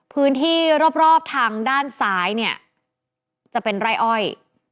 พื้นที่รอบทางด้านซ้ายเนี่ยจะเป็นไร่อ้อย